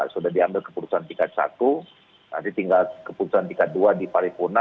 sudah diambil keputusan tingkat satu nanti tinggal keputusan tingkat dua di paripurna